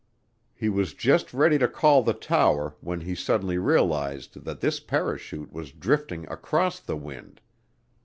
He was just ready to call the tower when he suddenly realized that this "parachute" was drifting across the wind.